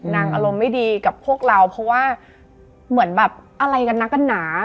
อารมณ์ไม่ดีกับพวกเราเพราะว่าเหมือนแบบอะไรกันนักกันหนา